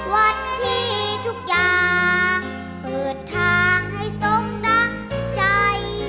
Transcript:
วันที่ทุกอย่างเปิดทางให้ทรงดังใจ